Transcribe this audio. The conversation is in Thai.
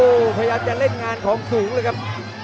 โอ้โหพยายามจะเล่นงานของสูงเลยครับ